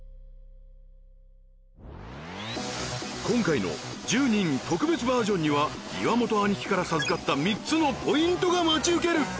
今回の１０人特別バージョンには岩本アニキから授かった３つのポイントが待ち受けるＹｏｕｗａｎｎａｆｅｅｌｉｔ？